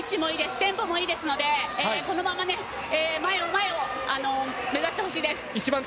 テンポもいいですのでこのまま前を目指してほしいです。